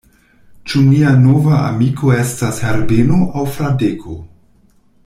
Ĉu nia nova amiko estas Herbeno aŭ Fradeko?